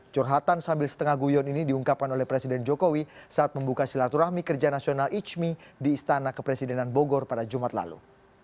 curhatan sambil setengah guyon ini diungkapkan oleh presiden jokowi saat membuka silaturahmi kerja nasional ijmi di istana kepresidenan bogor pada jumat lalu